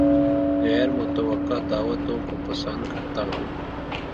غیر متوقع دعوتوں کو پسند کرتا ہوں